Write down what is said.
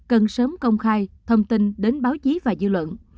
cần sớm công khai thông tin đến báo chí và dư luận